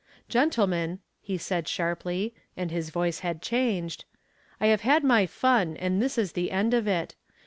"Gentlemen," he said sharply, and his voice had changed; "I have had my fun and this is the end of it.